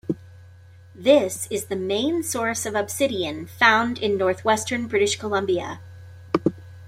This is the main source of obsidian found in northwestern British Columbia.